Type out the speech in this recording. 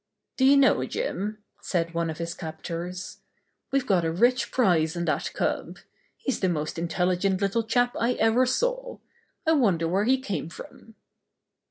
"Do you know, Jim," said one of his cap tors, "we've got a rich prize in that cub. He's the most intelligent little chap I ever saw. I wonder where he came from."